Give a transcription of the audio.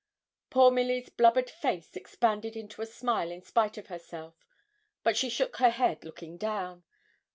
Poor Milly's blubbered face expanded into a smile in spite of herself; but she shook her head, looking down.